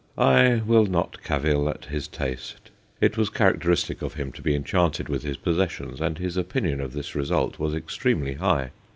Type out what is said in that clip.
I will not cavil at his taste : it was characteristic of him to be enchanted with his possessions, and his opinion of this result was extremely high.